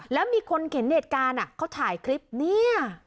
แล้วมีคนเห็นเหตุการณ์เขาถ่ายคลิปเนี่ย